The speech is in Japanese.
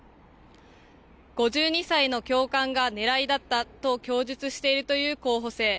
５２歳の教官が狙いだったと供述しているという候補生。